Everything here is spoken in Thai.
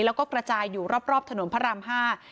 แล้วก็กระจายอยู่รอบถนนพระราม๕